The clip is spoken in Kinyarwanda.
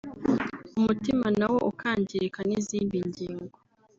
umutima na wo ukangirika n’izindi ngingo